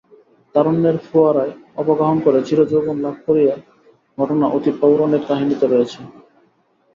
তারুণ্যের ফোয়ারায় অবগাহন করে চিরযৌবন লাভ করার ঘটনা অতি পৌরাণিক কাহিনিতে রয়েছে।